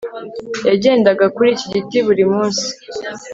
yagendaga kuri iki giti buri munsi